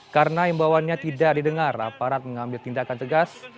karena imbauannya tidak didengar aparat mengambil tindakan tegas